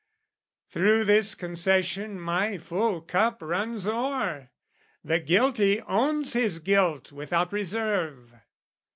Through this concession my full cup runs o'er: The guilty owns his guilt without reserve.